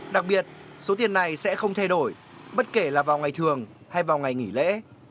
đặc biệt số tiền này sẽ không thay đổi bất kể là vào ngày thường hay vào ngày nghỉ lễ